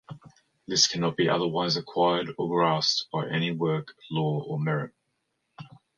This cannot be otherwise acquired or grasped by any work, law, or merit.